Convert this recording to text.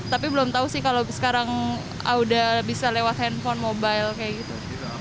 tapi belum tahu sih kalau sekarang udah bisa lewat handphone mobile kayak gitu